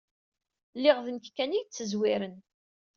Lliɣ d nekk kan i yettezwiren.